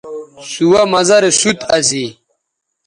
سوہ مزہ رے سوت اسی